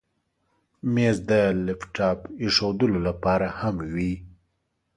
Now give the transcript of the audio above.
مېز د لپټاپ ایښودلو لپاره هم وي.